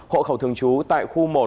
hộ khẩu thường trú tại khu một